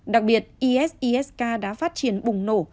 đặc biệt isis k đã phát triển bùng nổ